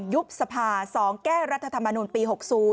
ยุบสภา๒แก้รัฐธรรมนุนปี๖๐